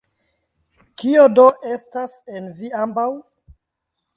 Kio do estas en vi ambaŭ?